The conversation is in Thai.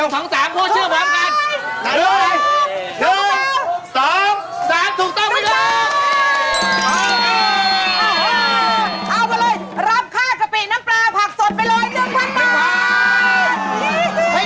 เอาไปเลยรับค่ากะปิน้ำปลาผักสดไปเลย๑๐๐บาท